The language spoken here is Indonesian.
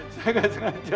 saya gak sengaja